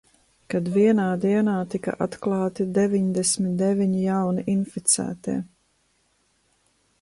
Kad vienā dienā tika atklāti deviņdesmit deviņi jauni inficētie.